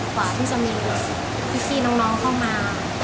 กว่าคุณจะมีพีชที่น้องเข้ามา